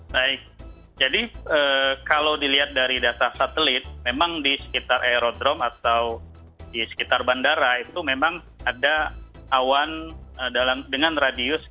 baik jadi kalau dilihat dari data satelit memang di sekitar aerodrome atau di sekitar bandara itu memang ada awan dengan radius